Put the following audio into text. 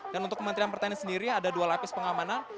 dan untuk kementerian pertanian sendiri ada dua lapis pengamanan